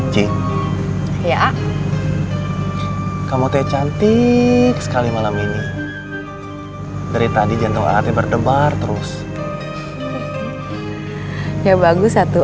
cik ya kamu teh cantik sekali malam ini dari tadi jantung hati berdebar terus ya bagus satu